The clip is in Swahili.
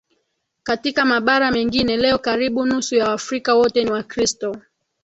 katika mabara mengine Leo karibu nusu ya Waafrika wote ni Wakristo